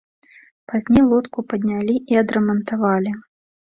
Пазней лодку паднялі і адрамантавалі.